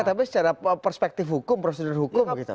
tapi secara perspektif hukum prosedur hukum